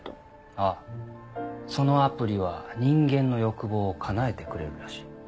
ああそのアプリは人間の欲望を叶えてくれるらしい。